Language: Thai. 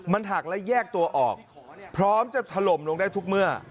มันหักและแยกตัวออกพร้อมจะถล่มลงได้ทุกเมื่อ